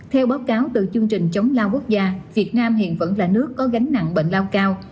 theo báo cáo từ chương trình chống lao quốc gia việt nam hiện vẫn là nước có gánh nặng bệnh lao cao